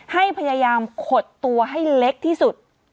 ให้พยายามขดตัวให้เล็กที่สุด